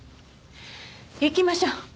行きましょう。